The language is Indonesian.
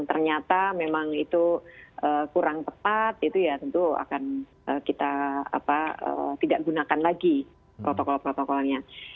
ternyata memang itu kurang tepat itu ya tentu akan kita tidak gunakan lagi protokol protokolnya